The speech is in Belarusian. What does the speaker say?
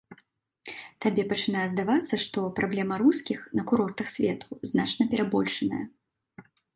Табе пачынае здавацца, што праблема рускіх на курортах свету значна перабольшаная.